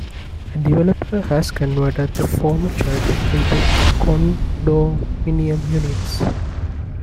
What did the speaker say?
A developer has converted the former church into condominium units.